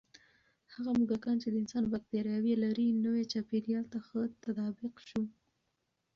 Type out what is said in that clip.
هغه موږکان چې د انسان بکتریاوې لري، نوي چاپېریال ته ښه تطابق شو.